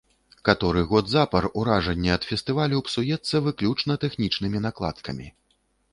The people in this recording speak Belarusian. Каторы год запар уражанне ад фестывалю псуецца выключна тэхнічнымі накладкамі.